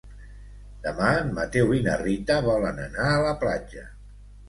Demà en Mateu i na Rita volen anar a la platja.